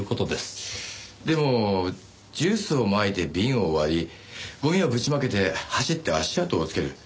でもジュースをまいて瓶を割りゴミをぶちまけて走って足跡をつける。